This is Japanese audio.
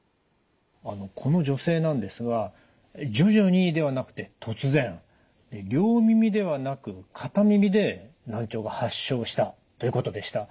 あのこの女性なんですが徐々にではなくて突然両耳ではなく片耳で難聴が発症したということでした。